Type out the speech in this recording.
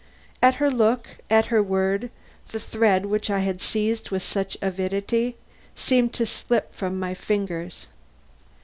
At her look, at her word, the thread which I had seized with such avidity seemed to slip from my fingers.